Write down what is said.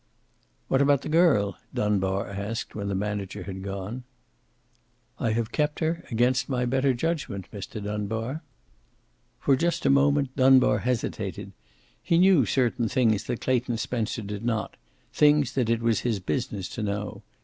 "What about the girl?" Dunbar asked, when the manager had gone. "I have kept her, against my better judgment, Mr. Dunbar." For just a moment Dunbar hesitated. He knew certain things that Clayton Spencer did not, things that it was his business to know.